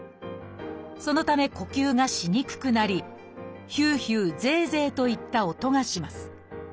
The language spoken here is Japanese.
そのため呼吸がしにくくなり「ヒューヒュー」「ゼーゼー」といった音がします。